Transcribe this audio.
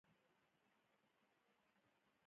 دا د الن ټورینګ نه ماتیدونکی روح و